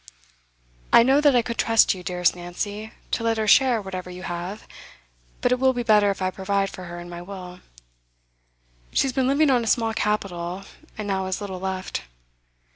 I know that I could trust you, dearest Nancy, to let her share whatever you have; but it will be better if I provide for her in my will. She has been living on a small capital, and now has little left.